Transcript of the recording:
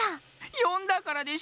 よんだからでしょ！